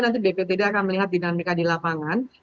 nanti bptd akan melihat dinamika di lapangan